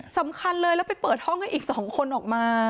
สำคัญเลยแล้วไปเปิดห้องให้อีก๒คนออกมา